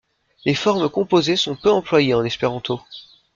Les formes composées sont peu employées en espéranto.